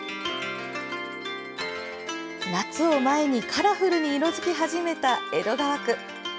カラフルに色づき始めた江戸川区。